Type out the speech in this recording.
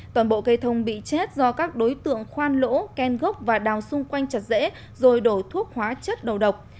toàn bộ cây thông bị chết do các đối tượng khoan lỗ ken gốc và đào xung quanh chặt rễ rồi đổ thuốc hóa chất đầu độc